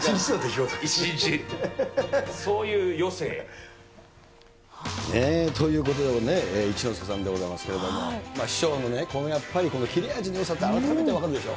１日。ということでね、一之輔さんでございますけれども、師匠のね、やっぱり切れ味のよさって改めて分かるでしょ。